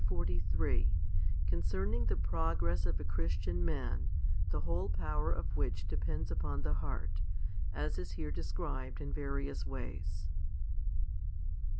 HOMILY XLIII Concerning the progress of a Christian man, the whole power of which depends upon the heart, as is here described in various ways.